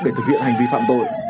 để thực hiện hành vi phạm tội